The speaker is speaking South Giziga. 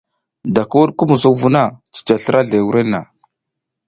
Da ki wuɗ ki musuk vu na, cica slra zle wurenna.